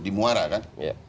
di muara kan